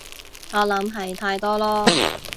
我諗係太多囉